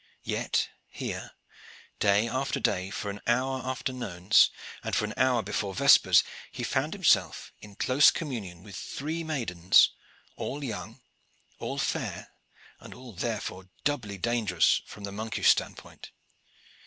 Yet here, day after day for an hour after nones, and for an hour before vespers, he found himself in close communion with three maidens, all young, all fair, and all therefore doubly dangerous from the monkish standpoint.